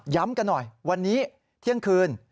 กันหน่อยวันนี้เที่ยงคืน